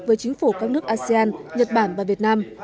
với chính phủ các nước asean nhật bản và việt nam